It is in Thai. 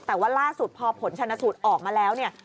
แต่ว่าล่าสุดพอผลชนสูตรออกมาแล้วเนี่ย